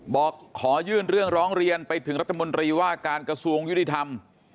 บอกขอยื่นเรื่องร้องเรียนไปถึงรัฐมนตรีว่าการกระทรวงยุติธรรม